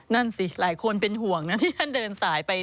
นั่นสิหลายคนเป็นห่วงนะที่ท่านเดินสายไป